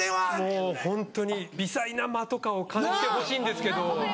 もうホントに微細な間とかを感じてほしいんですけど。